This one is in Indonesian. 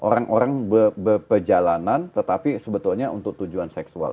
yang orang berjalanan tetapi sebetulnya untuk tujuan seksual